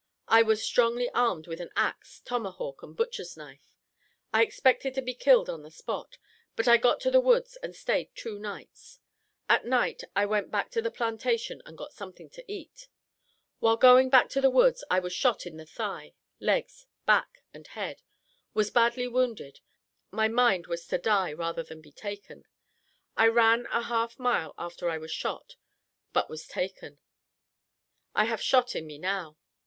I was strongly armed with an axe, tomahawk, and butcher knife. I expected to be killed on the spot, but I got to the woods and stayed two days. At night I went back to the plantation and got something to eat. While going back to the woods I was shot in the thigh, legs, back and head, was badly wounded, my mind was to die rather than be taken. I ran a half mile after I was shot, but was taken. I have shot in me now.